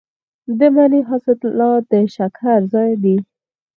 د مني حاصلات د شکر ځای دی.